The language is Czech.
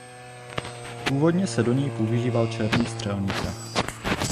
Původně se do něj používal černý střelný prach.